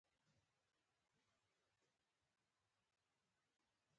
مينه اوس فکر کوي چې د هغې لپاره روښانه راتلونکی نه شته